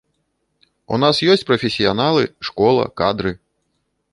У нас ёсць прафесіяналы, школа, кадры.